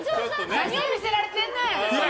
何を見せられてんねん！